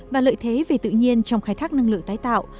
và lợi thế về tự nhiên trong khai thác năng lượng tái tạo